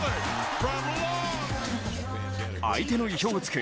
相手の意表を突く